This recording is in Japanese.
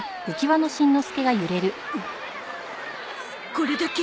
これだけ？